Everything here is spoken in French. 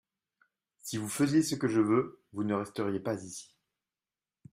Si vous faisiez ce que je veux, vous ne resteriez pas ici.